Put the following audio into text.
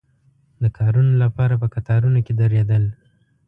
د کارونو لپاره په کتارونو کې درېدل.